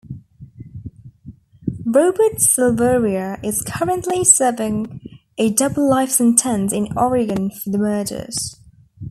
Robert Silveria is currently serving a double life sentence in Oregon for the murders.